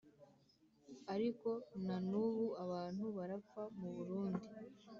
Ariko na n ubu abantu barapfa mu Burundi